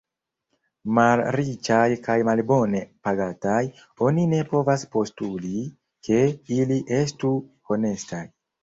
Malriĉaj kaj malbone pagataj, oni ne povas postuli, ke ili estu honestaj.